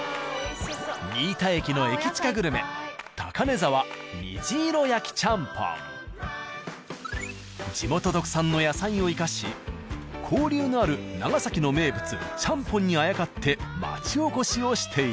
仁井田駅のエキチカグルメ地元特産の野菜を生かし交流のある長崎の名物ちゃんぽんにあやかって町おこしをしている。